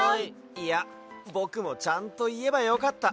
いやぼくもちゃんといえばよかった。